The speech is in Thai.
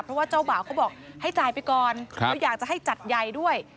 เพราะว่าเจ้าบ่าวเขาบอกให้จ่ายไปก่อนแล้วอยากจะให้จัดใหญ่ด้วย